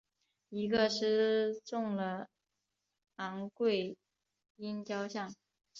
一个失纵了的昴贵鹰雕像。